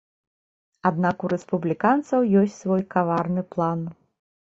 Аднак у рэспубліканцаў ёсць свой каварны план.